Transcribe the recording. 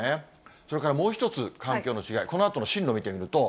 それからもう一つ、環境の違い、このあとの進路見てみると。